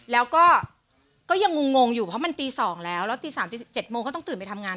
แล้วก็ก็ยังงงอยู่เพราะมันตี๒แล้วแล้วตี๓๗โมงเขาต้องตื่นไปทำงาน